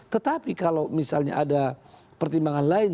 tetapi kalau misalnya ada pertimbangan lain